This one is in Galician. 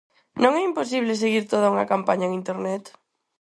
Non é imposible seguir toda unha campaña en Internet?